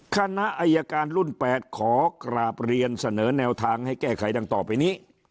คณะอายการรุ่น๘ขอกราบเรียนเสนอแนวทางให้แก้ไขดังต่อไปนี้